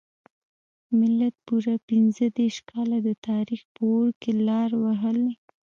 ملت پوره پنځه دیرش کاله د تاریخ په اور کې لار وهلې.